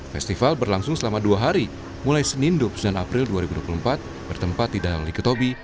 festival berlangsung selama dua hari mulai senin dua puluh sembilan april dua ribu dua puluh empat bertempat di danau like tobi